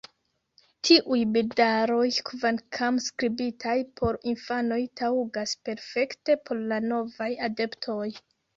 Tiuj bildaroj, kvankam skribitaj por infanoj, taŭgas perfekte por la novaj adeptoj.